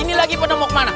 ini lagi pada mau kemana